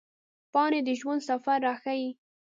پاڼې د ژوند سفر راښيي